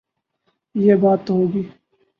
یہ بات تو ہو گئی۔